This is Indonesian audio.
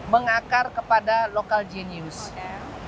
mengakar kepada jenius lokal